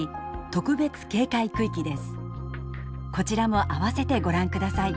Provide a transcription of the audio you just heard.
こちらも併せてご覧ください。